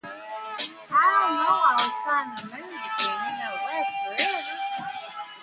I didn't know I was signing a marriage agreement that would last forever.